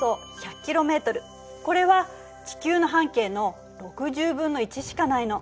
これは地球の半径の６０分の１しかないの。